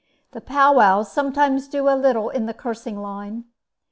The pow wows sometimes do a little in the cursing line.